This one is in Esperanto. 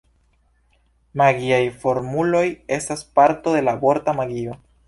Magiaj formuloj estas parto de la vorta magio.